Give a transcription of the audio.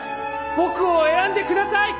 僕を選んでください。